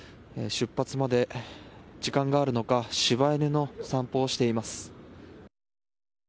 出発まで時間があるのか柴犬の散歩をしています。